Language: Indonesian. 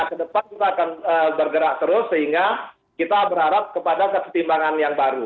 nah ke depan kita akan bergerak terus sehingga kita berharap kepada kesetimbangan yang baru